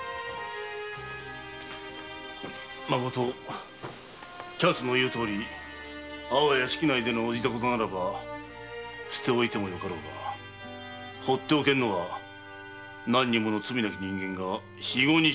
まこときゃつの言うとおり阿波屋敷内でのいざこざならば捨ておいてもよかろうがほっておけぬのは何人もの罪なき人間が非業に死んでいることだ。